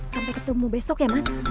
sampai ketemu besok ya mas